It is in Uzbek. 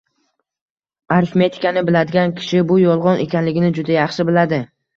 Arifmetikani biladigan kishi bu yolg'on ekanligini juda yaxshi biladi